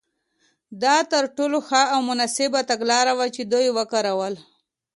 دا تر ټولو ښه او مناسبه تګلاره وه چې دوی وکارول.